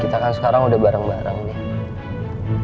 kita kan sekarang udah bareng bareng nih